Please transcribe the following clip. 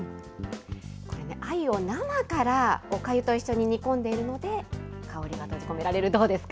これね、あゆを生からおかゆと一緒に煮込んでいるので、香りが閉じ込められる。